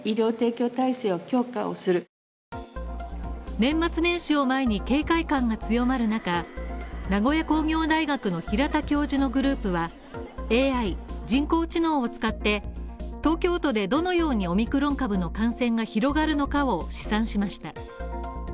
年末年始を前に警戒感が強まる中、名古屋工業大学の平田教授のグループは、ＡＩ＝人工知能を使って、東京都でどのようにオミクロン株の感染が広がるのかを試算しました。